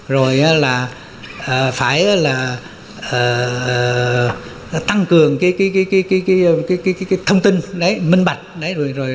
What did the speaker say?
rồi là phải là tăng cường cái thông tin đấy